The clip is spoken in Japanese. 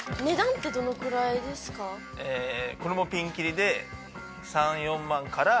これもピンキリで。